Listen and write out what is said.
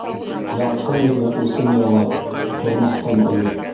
Ятһын ине усын ялап, тормаҫтан ойоп...